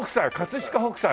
飾北斎。